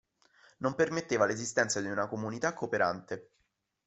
Non permetteva l'esistenza di una comunità cooperante.